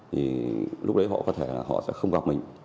thì lúc đấy họ có thể là họ sẽ không gặp mình